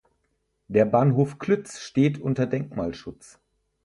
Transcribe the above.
Der Bahnhof Klütz steht unter Denkmalschutz.